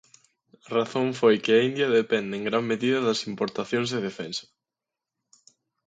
A razón foi que a India depende en gran medida das importacións de defensa.